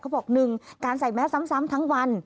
เขาบอกหนึ่งการใส่แมสซ้ำทั้งวัน